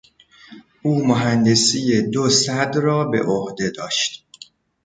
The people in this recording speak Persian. او مهندسی دو سد را بعهده داشت.